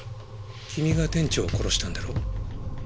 君が店長を殺したんだろう？